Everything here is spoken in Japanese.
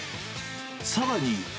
さらに。